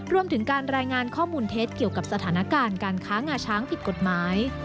รวมถึงการรายงานข้อมูลเท็จเกี่ยวกับสถานการณ์การค้างาช้างผิดกฎหมาย